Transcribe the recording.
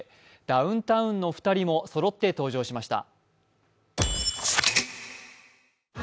ダウンタウンの２人もそろって登場しました。